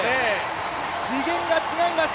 次元が違います。